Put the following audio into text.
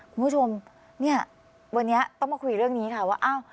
คุณผู้ชมเนี่ยวันนี้ต้องมาคุยเรื่องนี้ค่ะว่าอ้าว